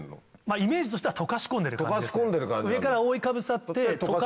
イメージとしては溶かし込んでる感じですね。